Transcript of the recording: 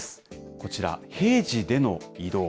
こちら、平時での移動。